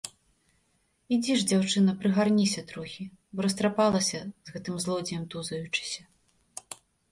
Ідзі ж, дзяўчына, прыгарніся трохі, бо растрапалася, з гэтым злодзеем тузаючыся.